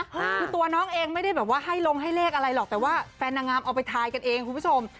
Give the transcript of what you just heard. คือตัวน้องเองไม่ได้แบบว่าให้ลงให้เลขอะไรหรอกแต่ว่าแฟนนางงามเอาไปทายกันเองคุณผู้ชม